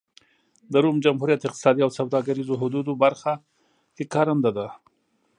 د روم جمهوریت اقتصادي او سوداګریزو حدودو برخه کې کارنده ده.